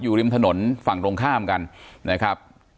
ริมถนนฝั่งตรงข้ามกันนะครับ